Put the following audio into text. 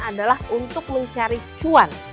adalah untuk mencari cuan